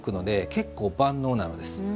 結構万能なのです。